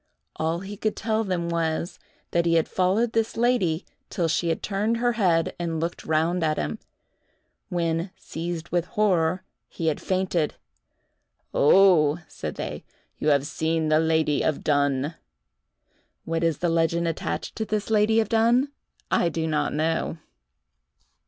All he could tell them was, that he had followed this lady till she had turned her head and looked round at him, when, seized with horror, he had fainted. "Oh," said they, "you have seen the lady of Dunn." What is the legend attached to this lady of Dunn, I do not know.